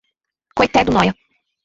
Coité do Noia